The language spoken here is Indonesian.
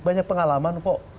banyak pengalaman kok